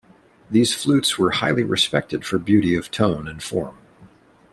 These flutes were highly respected for beauty of tone and form.